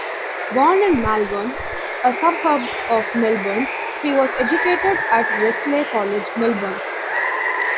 Born in Malvern, a suburb of Melbourne, he was educated at Wesley College, Melbourne.